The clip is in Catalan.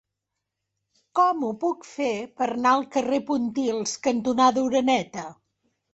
Com ho puc fer per anar al carrer Pontils cantonada Oreneta?